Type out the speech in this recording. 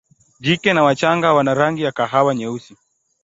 Jike na wachanga wana rangi ya kahawa nyeusi.